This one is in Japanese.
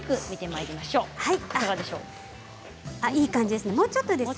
いい感じです。